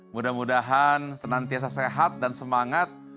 mudah mudahan senantiasa sehat dan semangat